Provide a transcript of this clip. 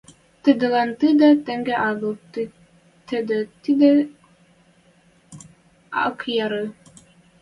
Тӹдӹлӓн тидӹ тенге агыл, тӹдӹ-тидӹ ак яры.